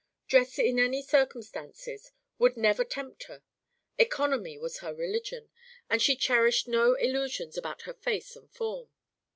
Dress in any circumstances would never tempt her. Economy was her religion, and she cherished no illusions about her face and form.